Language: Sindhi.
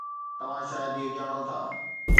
توهان شايد اهو ڄاڻو ٿا